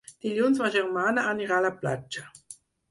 Dilluns ma germana anirà a la platja.